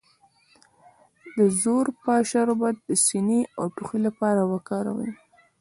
د زوفا شربت د سینې او ټوخي لپاره وکاروئ